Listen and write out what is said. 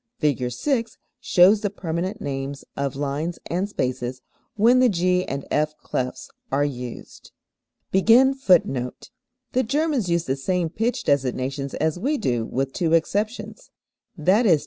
Fig. 6 shows the permanent names of lines and spaces when the G and F clefs are used. [Footnote 6: The Germans use the same pitch designations as we do with two exceptions, viz.